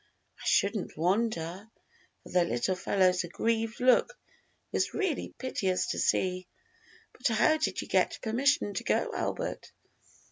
"I shouldn't wonder," for the little fellow's aggrieved look was really piteous to see; "but how did you get permission to go, Albert?"